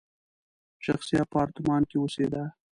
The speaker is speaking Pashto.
شخصي اپارتمان کې اوسېده.